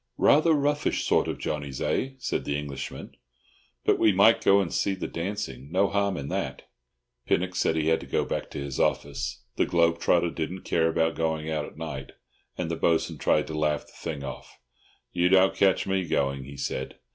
"Rather roughish sort of Johnnies, eh?" said the Englishman. "But we might go and see the dancing—no harm in that." Pinnock said he had to go back to his office; the globe trotter didn't care about going out at night; and the Bo'sun tried to laugh the thing off. "You don't catch me going," he said.